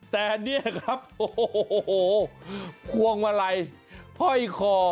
แต่เนี่ยครับโอ้โหมาไรเข้าข่อ